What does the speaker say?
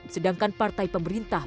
sedangkan partai pemerintah